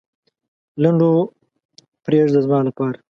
لنډو پرېږده زما لپاره.